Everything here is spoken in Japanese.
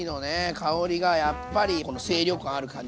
香りがやっぱりこの清涼感ある感じ。